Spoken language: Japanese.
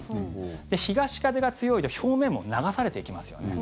東風が強いと表面も流されていきますよね。